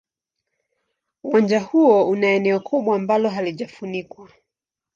Uwanja huo una eneo kubwa ambalo halijafunikwa.